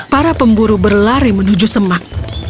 para pemburu berlari menuju semak